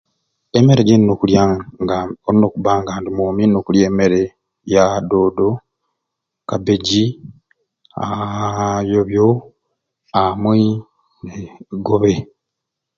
Emmere gyenina okulya nga nina okuba nga ndi mwomi nina okulya emmere ya doodo cabbage haaa yobyo amwei ne gobe